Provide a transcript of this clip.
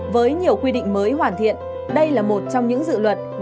với nhiều quy định mới hoàn thiện đây là một trong những dự luật